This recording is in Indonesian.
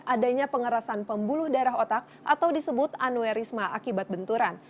adanya pengerasan pembuluh darah otak atau disebut aneurisma akibat benturan